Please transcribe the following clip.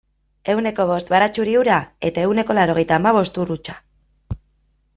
Ehuneko bost baratxuri ura eta ehuneko laurogeita hamabost ur hutsa.